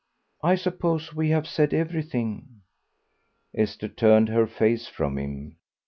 "I suppose we have said everything." Esther turned her face from him.